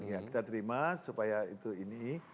ya kita terima supaya itu ini